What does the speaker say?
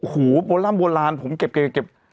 หูโบราณโบราณผมเก็บ